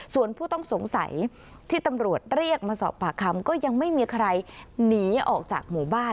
ส่วนผู้ต้องสงสัยที่ตำรวจเรียกมาสอบปากคำก็ยังไม่มีใครหนีออกจากหมู่บ้าน